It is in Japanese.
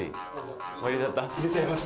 入れちゃいました。